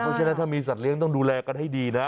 เพราะฉะนั้นถ้ามีสัตเลี้ยต้องดูแลกันให้ดีนะ